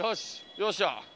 よっしゃー。